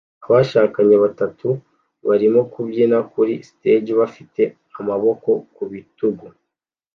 Abashakanye batatu barimo kubyina kuri stage bafite amaboko ku bitugu